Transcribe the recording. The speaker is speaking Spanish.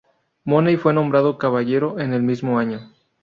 Money fue nombrado caballero en el mismo año.